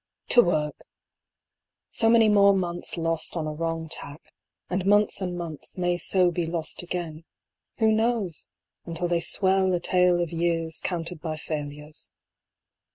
To work ! so many more months lost on a wrong tack; and months and months may so be lost again, who knows ? until they swell a tale of years counted by failures.